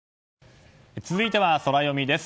続いては、ソラよみです。